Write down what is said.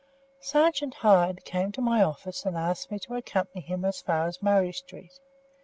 Sergeant Hyde came to my office and asked me to accompany him as far as Murray Street.